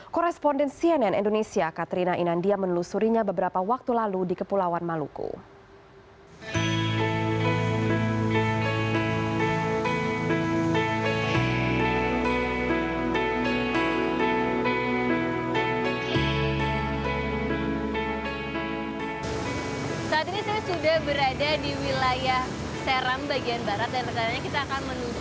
korresponden cnn indonesia katrina inandia menelusurinya beberapa waktu lalu di kepulauan maluku